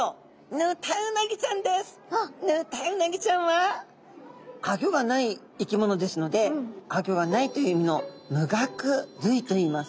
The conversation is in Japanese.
ヌタウナギちゃんはアギョがない生き物ですのでアギョがないという意味の無顎類といいます。